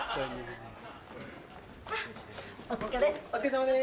お疲れさまです。